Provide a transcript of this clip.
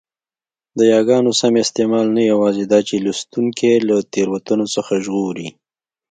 د یاګانو سم استعمال نه یوازي داچي لوستوونکی له تېروتنو څخه ژغوري؛